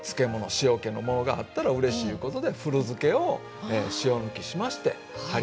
塩けのものがあったらうれしいいうことで古漬けを塩抜きしましてはりはり漬け。